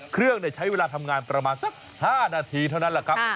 ใช้เวลาทำงานประมาณสัก๕นาทีเท่านั้นแหละครับ